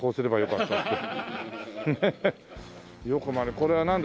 これはなんだろう？